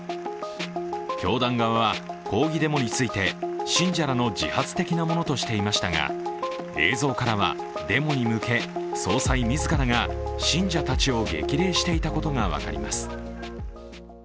教団側は抗議デモについて信者らの自発的なものとしていましたが映像からはデモに向けて、総裁自らが信者たちを激励していたことが分かります。